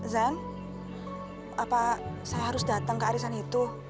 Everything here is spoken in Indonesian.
zan saya harus datang ke arisan itu